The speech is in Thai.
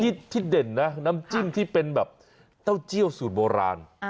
ที่เด่นนะน้ำจิ้มที่เป็นแบบเต้าเจียวสูตรโบราณ